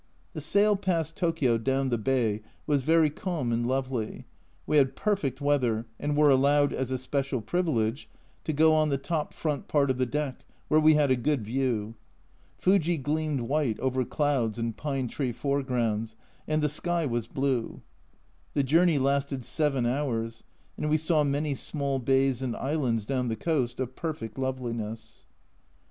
The sail past Tokio down the bay was very calm and lovely ; we had perfect weather and were allowed, as a special privilege, to go on the top front part of the deck, where we had a good view. Fuji gleamed white over clouds and pine tree foregrounds, and the sky was blue. The journey lasted seven hours, and we saw many small bays and islands down the coast, of perfect loveliness.